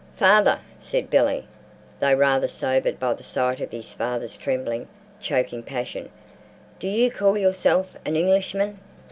"Father!" said Billy, though rather sobered by the sight of his father's trembling, choking passion, "do you call yourself an Englishman?"